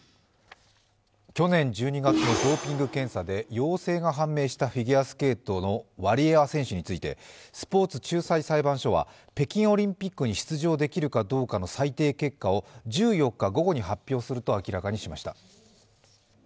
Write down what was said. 去年１２月のドーピング検査で陽性が判明したフィギュアスケートのワリエワ選手についてスポーツ仲裁裁判所は北京オリンピックに出場できるかどうかの裁定結果を１４日午後に発表すると明らかにしました。